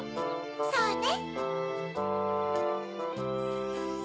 そうね。